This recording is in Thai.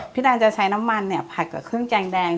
ดันจะใช้น้ำมันเนี่ยผัดกับเครื่องแกงแดง